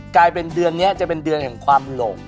กลายเป็นเดือนนี้จะเป็นเดือนแห่งความหลง